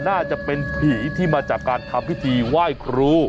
น่าจะเป็นผีที่มาจากการทำพิธีไหว้ครู